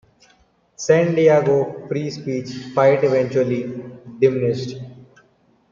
The San Diego free speech fight eventually diminished.